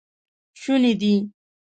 شونی دی